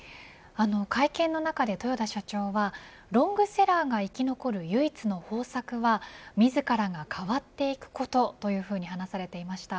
会見の中で豊田社長はロングセラーが生き残る唯一の方策は自らが変わっていくことと話されていました。